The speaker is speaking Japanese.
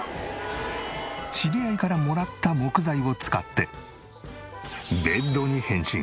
知り合いからもらった木材を使ってベッドに変身。